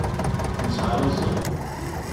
Ur nesεi ara ẓẓher.